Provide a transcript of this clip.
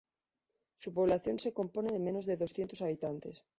Su población se compone de menos de doscientos habitantes.